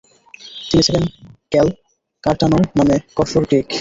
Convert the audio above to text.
তিনি ছিলেন ক্যাল কার্টানৌ নামে করফোর গ্রীক।